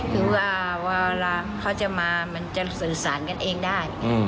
คือว่าเวลาเขาจะมามันจะสื่อสารกันเองได้